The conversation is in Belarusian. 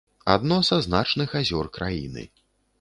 Адно са значных азёр краіны.